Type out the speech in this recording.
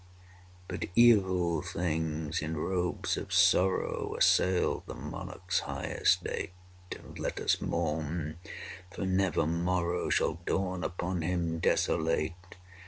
V. But evil things, in robes of sorrow, Assailed the monarch's high estate; (Ah, let us mourn, for never morrow Shall dawn upon him, desolate!)